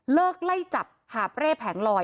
เลิกไล่จับหาเปรี้ยวแผงลอย